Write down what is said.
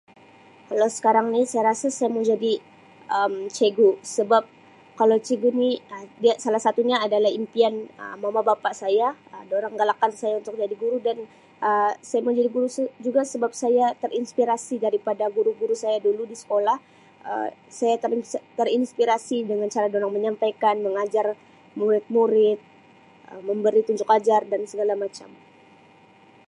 Kalau sekarang ni saya rasa saya mau jadi Um cikgu sebab kalau cikgu ni Um dia salah satunya adalah impian mama bapa saya dorang galakkan saya untuk jadi guru dan Um saya mau jadi guru juga sebab saya terinspirasi daripada guru-guru saya di sekolah Um saya terinspi-terinspirasi dengan cara dorang menyampaikan mengajar murid-murid memberi tunjuk ajar dan isegala macam.